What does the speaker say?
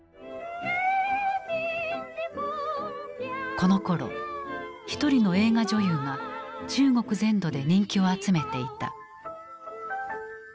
このころ一人の映画女優が中国全土で人気を集めていた。